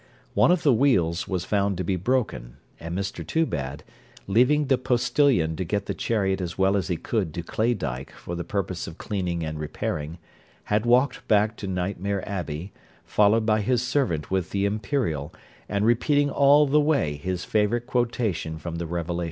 One of the wheels was found to be broken; and Mr Toobad, leaving the postilion to get the chariot as well as he could to Claydyke for the purpose of cleaning and repairing, had walked back to Nightmare Abbey, followed by his servant with the imperial, and repeating all the way his favourite quotation from the Revelations.